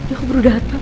aku baru dateng